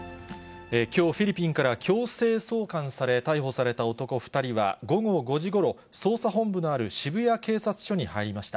きょう、フィリピンから強制送還され逮捕された男２人は、午後５時ごろ、捜査本部のある渋谷警察署に入りました。